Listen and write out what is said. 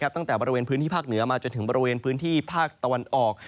ตั้งแต่บริเวณพื้นที่ภาคเหนือมาจนถึงบริเวณพื้นที่ภาคตะวันออก